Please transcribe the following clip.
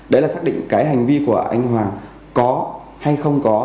đấy là xác định cái hành vi của anh hoàng có hay không có